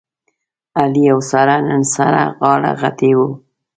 علي او ساره نن سره غاړه غټۍ و.